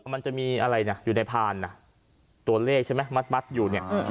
มันจะมีอะไรนะอยู่ในพานนะตัวเลขใช่ไหมมัดอยู่เนี่ย